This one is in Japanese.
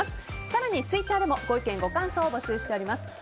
更に、ツイッターでもご意見、ご感想を募集しています。